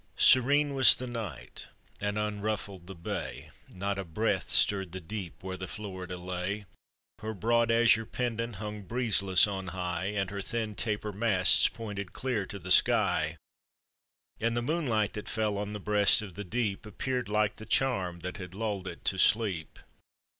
Serene was the night, and unruflled the bay, Not a breath stirred the deep where the Florida lay; Her broad azure pennant hung breezeless on high. And her thin taper masts pointed clear to the sky; And the moonlight that fell on the breast of the deep Appear'd like the charm that had lull'd it to sleep.